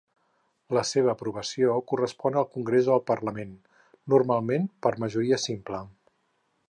La seva aprovació correspon al Congrés o Parlament, normalment per majoria simple.